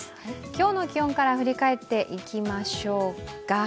今日の気温から振り返っていきましょうか。